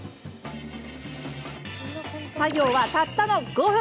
作業はたったの５分。